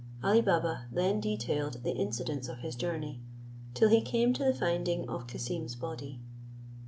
Ali Baba then detailed the incidents of his journey, till he came to the finding of Cassim's body.